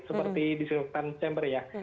seperti disinfektan chamber ya